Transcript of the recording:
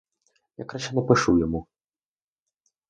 Я краще напишу йому.